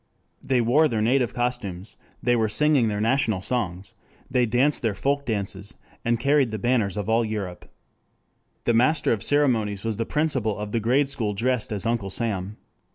They wore their native costumes, they were singing their national songs; they danced their folk dances, and carried the banners of all Europe. The master of ceremonies was the principal of the grade school dressed as Uncle Sam.